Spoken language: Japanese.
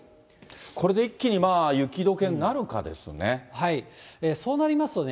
これで一気に雪どけになるかですよね。